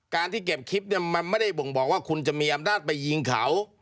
ที่เก็บคลิปเนี่ยมันไม่ได้บ่งบอกว่าคุณจะมีอำนาจไปยิงเขา